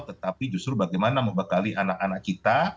tetapi justru bagaimana membekali anak anak kita